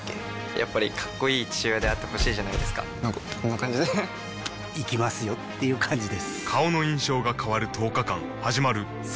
やっぱりかっこいい父親であってほしいじゃないですかなんかこんな感じで行きますよっていう感じです